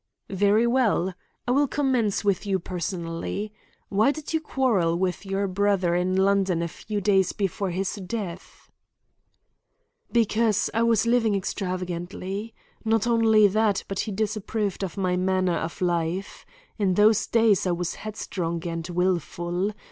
"Very well. I will commence with you personally. Why did you quarrel with your brother in London a few days before his death?" "Because I was living extravagantly. Not only that, but he disapproved of my manner of life. In those days I was headstrong and wilful.